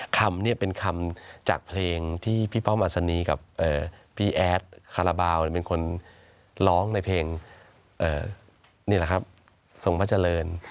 คำเนี่ยเป็นคำจากเพลงที่พี่เป้ามาสนีกับพี่แอดคาราบาลเป็นคนร้องในเพลงนี่แหละครับทรงพระเจริญ